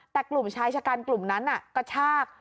แต่กลุ่มชายชะกันกลุ่มนั้นกระชาก